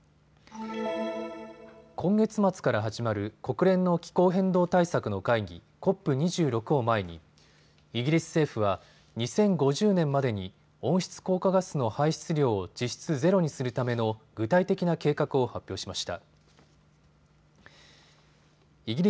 今月末から始まる国連の気候変動対策の会議、ＣＯＰ２６を前にイギリス政府は２０５０年までに温室効果ガスの排出量を実質ゼロにするための具体的な計画を発表しました。